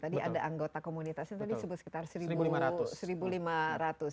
tadi ada anggota komunitasnya tadi sebut sekitar satu lima ratus